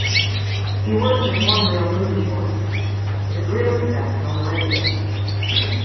He worked in one-reel movie shorts, but his real success was on the radio.